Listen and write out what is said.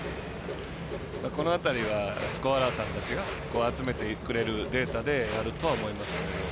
この辺りはスコアラーさんたちが集めてくれるデータでやるとは思いますけど。